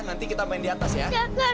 nanti kita main di atas ya